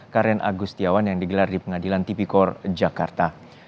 karen agustiawan yang digelar di pengadilan tipikor jakarta